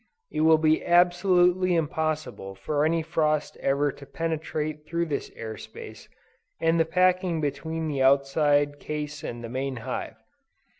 It will be absolutely impossible for any frost ever to penetrate through this air space, and the packing between the outside case and the main hive.